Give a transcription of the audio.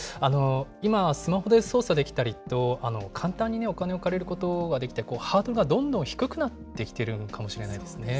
今はスマホで操作できたりと、簡単にお金を借りることができて、ハードルがどんどん低くなってきてるのかもしれないですね。